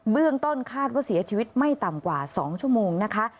เบื้องต้นคาดว่าเสียชีวิตไม่ต่ำกว่า๒ชั่วโมงนะคะ